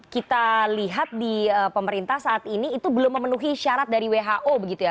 kita lihat di pemerintah saat ini itu belum memenuhi syarat dari who begitu ya